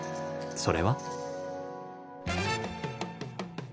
それは。